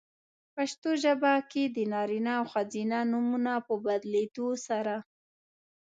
پښتو ژبه کې د نارینه او ښځینه نومونو په بدلېدو سره؛